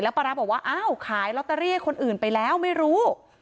ปลาร้าบอกว่าอ้าวขายลอตเตอรี่ให้คนอื่นไปแล้วไม่รู้